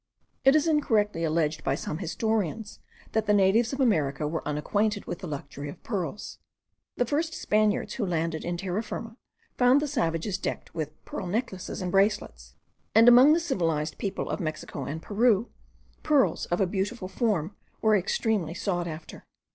It is incorrectly alleged by some historians that the natives of America were unacquainted with the luxury of pearls. The first Spaniards who landed in Terra Firma found the savages decked with pearl necklaces and bracelets; and among the civilized people of Mexico and Peru, pearls of a beautiful form were extremely sought after.